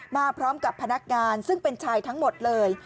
มาพร้อมกับพนักงานซึ่งเป็นชายทั้งหมดเลย